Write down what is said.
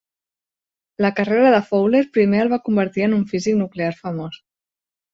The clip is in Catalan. La carrera de Fowler primer el va convertir en un físic nuclear famós.